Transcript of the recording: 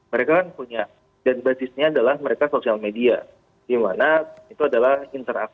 mereka kan punya dan basisnya adalah mereka sosial media